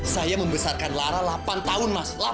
saya membesarkan lara delapan tahun mas